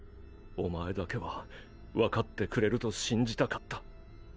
お前だけはわかってくれると信じたかった。